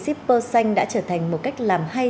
shipper xanh đã trở thành một cách làm hay